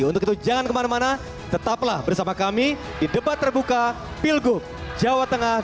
untuk itu jangan kemana mana tetaplah bersama kami di debat terbuka pilgub jawa tengah dua ribu delapan belas